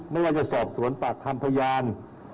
ไม่ว่าจะสอบสวนปากคำพยาน